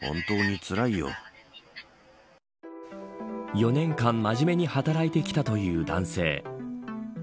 ４年間真面目に働いてきたという男性。